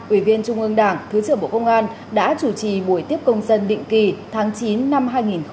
ủy viên trung ương đảng thứ trưởng bộ công an đã chủ trì buổi tiếp công dân định kỳ tháng chín năm hai nghìn hai mươi